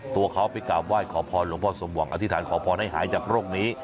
ตัวเขาไปกราบไหว้ขอพรหลวงพ่อสมหวังอธิษฐานขอพรให้หายจากโรคนี้